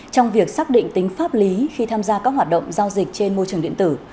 trong việc xác định tính pháp lý khi tham gia các hoạt động giao dịch trên môi trường điện tử